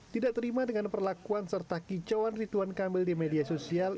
tidak terima dengan perlakuan serta kicauan rituan kamil di media sosial